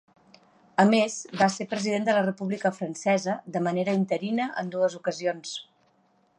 A més, va ser president de la República Francesa de manera interina en dues ocasions.